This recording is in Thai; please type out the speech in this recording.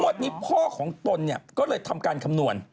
หมดนี้พ่อของตนก็เลยทำการคำนวณ